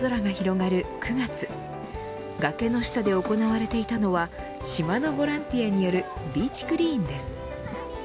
がけの下で行われていたのは島のボランティアによるビーチクリーンです。